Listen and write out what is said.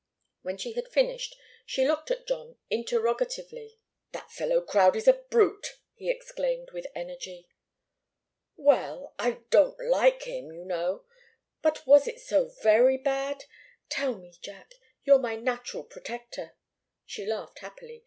When she had finished, she looked at John interrogatively. "That fellow Crowdie's a brute!" he exclaimed, with energy. "Well I don't like him, you know. But was it so very bad? Tell me, Jack you're my natural protector." She laughed happily.